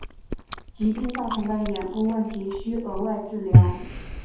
疾病造成的眼部问题需额外治疗。